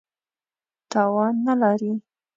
توان نه لري.